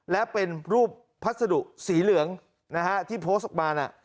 และเป็นรูปภาษาดุสีเหลืองที่โพสต์ออกมา